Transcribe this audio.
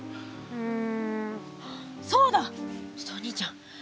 うん。